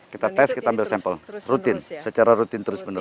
kita tes kita ambil sampel rutin secara rutin terus menerus